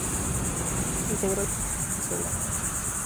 Integró la Comisión de Hacienda.